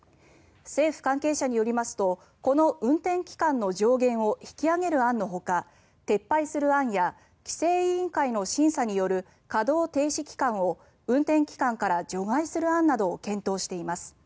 政府関係者によりますとこの運転期間の上限を引き上げる案のほか撤廃する案や規制委員会の審査による稼働停止期間を運転期間から除外する案などを検討しています。